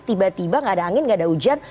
tiba tiba gak ada angin gak ada hujan